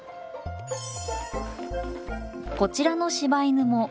こちらの柴犬も同じ。